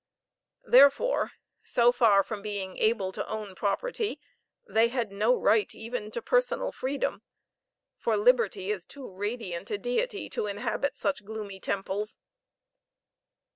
Therefore, so far from being able to own property, they had no right even to personal freedom for liberty is too radiant a deity to inhabit such gloomy temples.